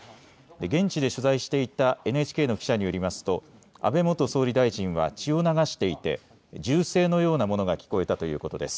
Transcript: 現地で取材していたＮＨＫの記者によりますと安倍元総理大臣は血を流していて銃声のようなものが聞こえたということです。